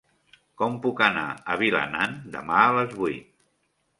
Com puc anar a Vilanant demà a les vuit?